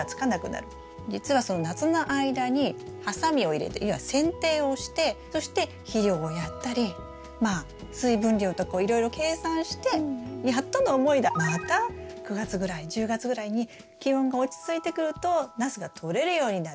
じつはその夏の間にハサミを入れて要は剪定をしてそして肥料をやったりまあ水分量とかをいろいろ計算してやっとの思いでまた９月ぐらい１０月ぐらいに気温が落ち着いてくるとナスがとれるようになる。